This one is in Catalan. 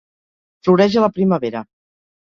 Floreix a la primavera.